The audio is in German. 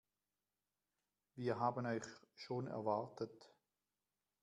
Wir haben euch schon erwartet.